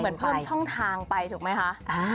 เหมือนเพิ่มช่องทางไปถูกไหมคะ